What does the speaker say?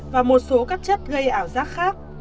và một số các chất gây ảo giác khác